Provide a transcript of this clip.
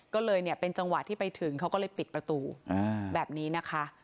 ก็เลยเนี่ยเป็นจังหวะที่ไปถึงเขาก็เลยปิดประตูแบบนี้นะคะ